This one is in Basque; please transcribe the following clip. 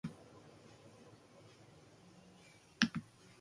Haur guztiek dute itxura ona.